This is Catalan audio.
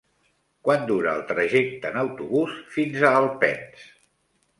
Quant dura el trajecte en autobús fins a Alpens?